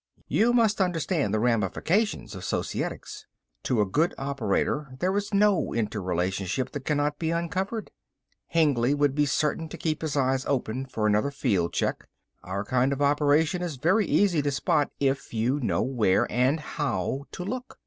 You must understand the ramifications of Societics. To a good operator there is no interrelationship that cannot be uncovered. Hengly would be certain to keep his eyes open for another field check. Our kind of operation is very easy to spot if you know where and how to look.